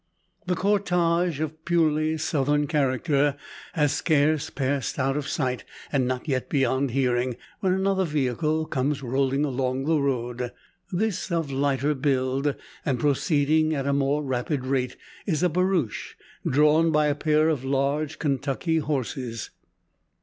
The cortege, of purely southern character, has scarce passed out of sight, and not yet beyond hearing, when another vehicle comes rolling along the road. This, of lighter build, and proceeding at a more rapid rate, is a barouche, drawn by a pair of large Kentucky horses.